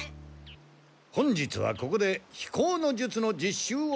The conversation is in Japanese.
本日はここで飛行の術の実習を行う。